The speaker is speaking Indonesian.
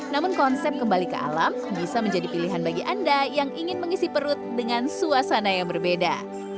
namun konsep kembali ke alam bisa menjadi pilihan bagi anda yang ingin mengisi perut dengan suasana yang berbeda